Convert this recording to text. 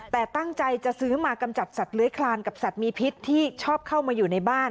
แต่ตั้งใจจะซื้อมากำจัดสัตว์เลื้อยคลานกับสัตว์มีพิษที่ชอบเข้ามาอยู่ในบ้าน